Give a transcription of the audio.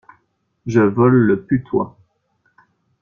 Je vole le putois.